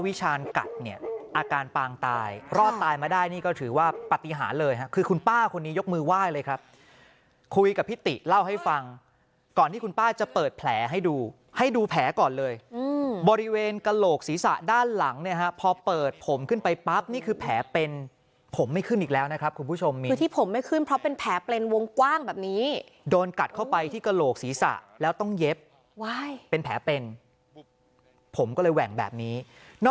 วิชาณกัดเนี่ยอาการปางตายรอดตายมาได้นี่ก็ถือว่าปฏิหารเลยค่ะคือคุณป้าคนนี้ยกมือไหว้เลยครับคุยกับพี่ติเล่าให้ฟังก่อนที่คุณป้าจะเปิดแผลให้ดูให้ดูแผลก่อนเลยอืมบริเวณกะโหลกศีรษะด้านหลังเนี่ยฮะพอเปิดผมขึ้นไปปั๊บนี่คือแผลเป็นผมไม่ขึ้นอีกแล้วนะครับคุณผู้ชมมีที่ผมไม่ขึ้น